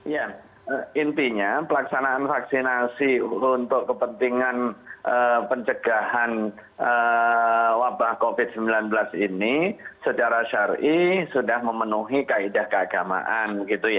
ya intinya pelaksanaan vaksinasi untuk kepentingan pencegahan wabah covid sembilan belas ini secara syari sudah memenuhi kaedah keagamaan